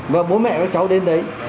và bố mẹ các cháu đến đấy